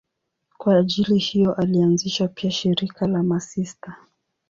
Kwa ajili hiyo alianzisha pia shirika la masista.